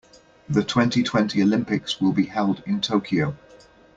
The twenty-twenty Olympics will be held in Tokyo.